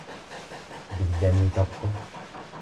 digdamii tokko